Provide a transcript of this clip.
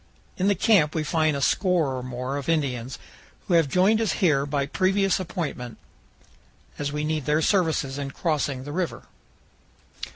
In the camp we find a score or more of Indians, who have joined us here by previous appointment, as we need their services in crossing the river.